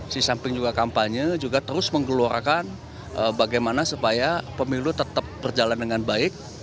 di samping juga kampanye juga terus menggeluarkan bagaimana supaya pemilu tetap berjalan dengan baik